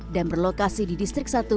dan berlokasi di distrik satu